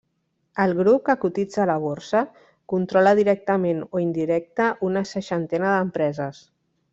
El grup, que cotitza a la borsa, controla directament o indirecta una seixantena d'empreses.